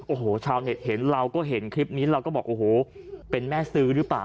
โอ้โหชาวเน็ตเห็นเราก็เห็นคลิปนี้เราก็บอกโอ้โหเป็นแม่ซื้อหรือเปล่า